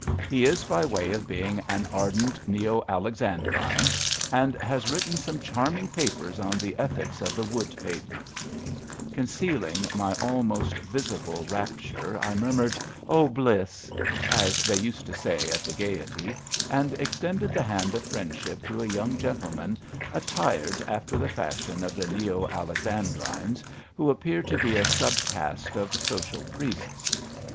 He's by way of being an ardent Neo Alexandrine, and has written 256 ABAFT THE FUNNEL some charming papers on the ^ Ethics of the Wood Pavement/ '' Concealing my ahnost visible rap ture, I murmured '^ Oh, bliss I '* as they used to say at the Gaiety, and extended the hand of friend ship to a young gentleman attired after the fashion of the Neo Alexandrines, who appear to be a sub caste of social priests.